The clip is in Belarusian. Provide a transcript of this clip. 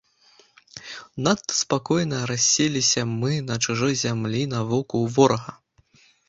Надта спакойна расселіся мы на чужой зямлі на воку ў ворага.